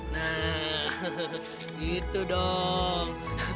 nah gitu dong